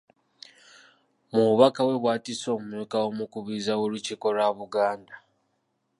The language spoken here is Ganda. Mu bubaka bwe bw'atisse omumyuka w’Omukubiriza w’olukiiko lwa Buganda.